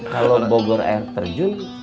kalau bogor r terjun